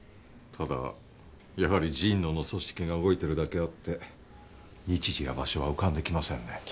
ただやはり神野の組織が動いてるだけあって日時や場所は浮かんできませんね。